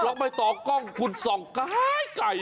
แล้วไปต่อกล้องคุณส่องไกล